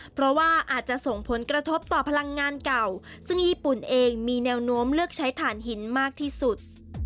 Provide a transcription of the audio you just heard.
เพราะว่าอาจจะส่งผลกระทบต่อพลังงานเก่าซึ่งญี่ปุ่นเองมีแนวโน้มเลือกใช้ฐานหินมากที่สุด